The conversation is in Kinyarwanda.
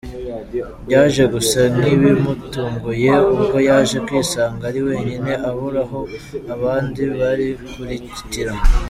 Byaje gusa nk’ibimutunguye ubwo yaje kwisanga ari wenyine abura aho abandi bari kurigitira.